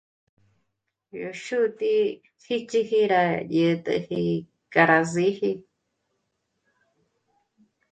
Yó xútǐ'i xíts'iji rá dyä̀t'äji k'a rá síji